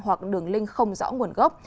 hoặc đường link không rõ nguồn gốc